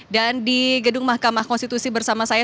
dan di gedung mahkamah konstitusi bersama saya